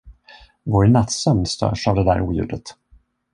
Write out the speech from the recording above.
Vår nattsömn störs av det där oljudet!